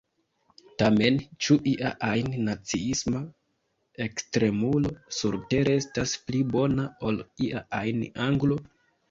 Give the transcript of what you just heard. Tamen: ĉu ia ajn naciisma ekstremulo surtere estas pli bona ol ia ajn anglo?